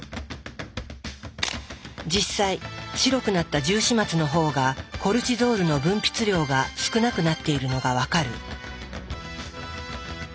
実際白くなったジュウシマツのほうがコルチゾールの分泌量が少なくなっているのが分かる。